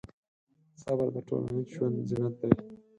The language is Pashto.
صبر د ټولنیز ژوند زینت دی.